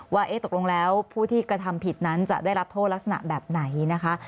ว่าตกลงแล้วผู้ที่กระทำผิดนั้นจะได้รับโทษลักษณะแบบไหนนะคะ